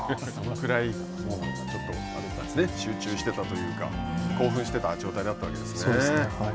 そのくらい集中してたというか興奮してた状態だったわけですね。